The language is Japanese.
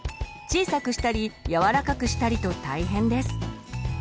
小さくしたり柔らかくしたりと大変です。